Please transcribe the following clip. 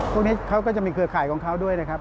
พวกนี้เขาก็จะมีเครือข่ายของเขาด้วยนะครับ